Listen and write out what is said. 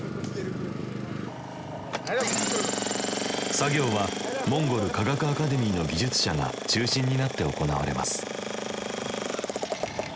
作業はモンゴル科学アカデミーの技術者が中心になって行われます。